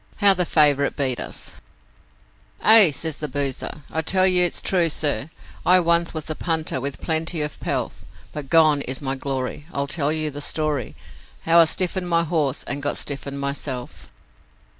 How the Favourite Beat Us 'Aye,' said the boozer, 'I tell you it's true, sir, I once was a punter with plenty of pelf, But gone is my glory, I'll tell you the story How I stiffened my horse and got stiffened myself.